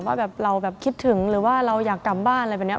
ว่าแบบเราแบบคิดถึงหรือว่าเราอยากกลับบ้านอะไรแบบนี้